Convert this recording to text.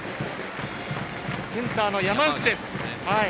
センターの山内です。